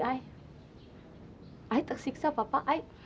aku tersiksa papa